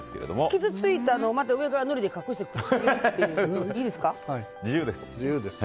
傷ついたのをまた上からのりで隠していいですか？